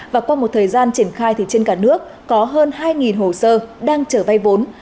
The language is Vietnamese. và qua một thời gian triển khai thì trên cả nước có hơn hai hồ sơ đang trở vay vốn